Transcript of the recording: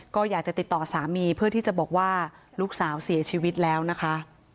ก็อยากจะติดต่อสามีเพื่อที่จะบอกว่าลูกสาวเสียชีวิตแล้วนะคะ